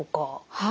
はい。